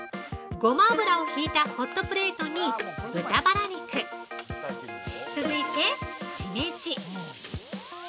ごま油を引いたホットプレートに豚バラ肉、続いて、しめじ